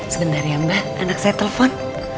sebentar ya mbak anak saya telpon